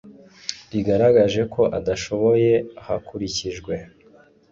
rigaragaje ko adashoboye hakurikijwe